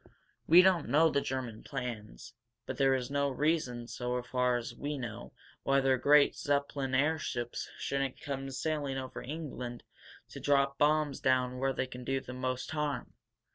We don't know the German plans. But there is no reason, so far as we know, why their great Zeppelin airships shouldn't come sailing over England, to drop bombs down where they can do the most harm.